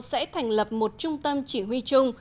sẽ thành lập một trung tâm chỉ huy chung